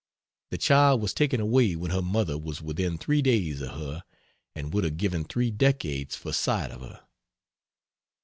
The child was taken away when her mother was within three days of her, and would have given three decades for sight of her.